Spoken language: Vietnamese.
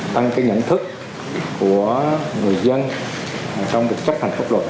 tăng cái nhận thức của người dân trong việc chấp hành pháp luật